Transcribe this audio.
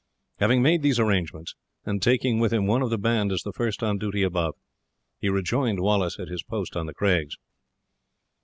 Having made these arrangements, and taking with him one of the band as the first on duty above, he rejoined Wallace at his post on the craigs.